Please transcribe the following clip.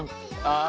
あ。